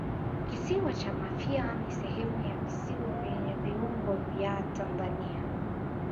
Kisiwa cha Mafia ni sehemu ya visiwa vyenye viungo vya Tanzania